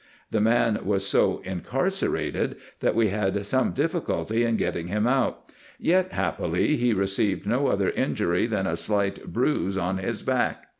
The man was so incarcerated, that we had some difficulty in getting him out ; yet, happily, he received no other injury than a slight bruise on his back.